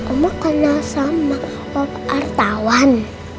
omah kenal sama pak artawan